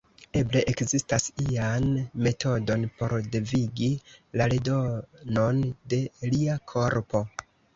Eble ekzistas ian metodon por devigi la redonon de lia korpo.